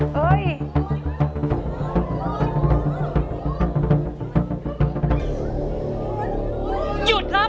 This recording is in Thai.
หยุดครับ